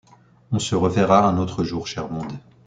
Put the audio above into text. On se reverra un autre jour cher monde.